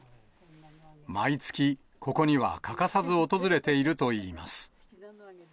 毎月、ここには欠かさず訪れているといいます。